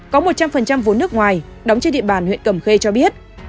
có một trăm linh vốn nước ngoài đóng trên địa bàn huyện cẩm khê cho biết